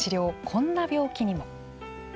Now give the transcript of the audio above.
こんな病気にも。